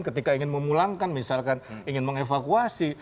ketika ingin memulangkan misalkan ingin mengevakuasi